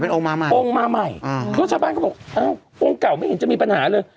เป็นองค์มาใหม่เพราะชาวบ้านก็บอกองค์เก่าไม่เห็นจะมีปัญหาเลย